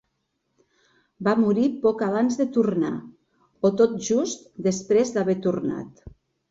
Va morir poc abans de tornar o tot just després d'haver tornat.